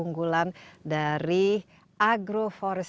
ini sudah cukup